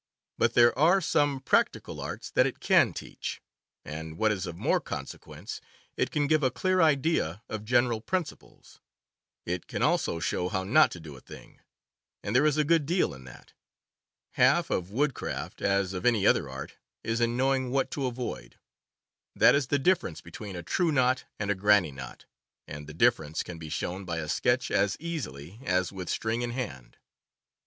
But there are some practical arts that it can teach, and, what is of more consequence, it can give a clear idea of general principles. It can also show how not to do a thing — and there is a good deal in that. Half of woodcraft, as of any other art, is in knowing what to avoid. That is the difference between a true knot and a granny knot, and the difference can be shown by a sketch as easily as with string in hand.